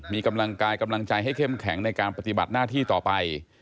มีกำลังกายกำลังใจให้เข้มแข็งในการปฏิบัติหน้าที่ต่อไป